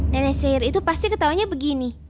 nenek sihir itu pasti ketawanya begini